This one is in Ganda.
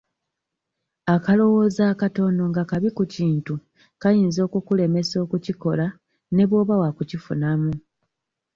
Akalowoozo akatono nga kabi ku kintu kayinza okukulemesa okukikola ne bw'oba wa kukifunamu.